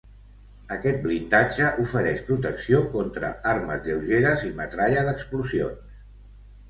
Aquest blindatge ofereix protecció contra armes lleugeres i metralla d'explosions.